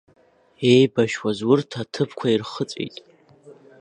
Еибашьуаз урҭ аҭыԥқәа ирхыҵәеит.